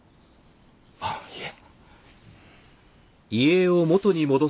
あっいえ。